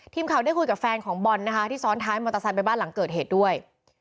ทีมข่าวได้คุยกับแฟนของบอลนะคะที่ซ้อนท้ายมอเตอร์ไซค์ไปบ้านหลังเกิดเหตุด้วย